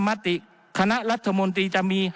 มติคณะรัฐมนตรีจะมี